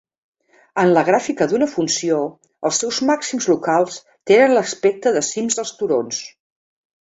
En la gràfica d'una funció, els seus màxims locals tenen l'aspecte de cims dels turons.